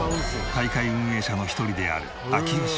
大会運営者の一人である明慶パパ。